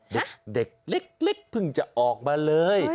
เด็กเพิ่งจะออกมาเลย